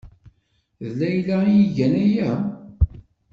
D Layla ay igan aya?